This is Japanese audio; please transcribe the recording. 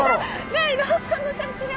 ねえ伊野尾さんの写真が。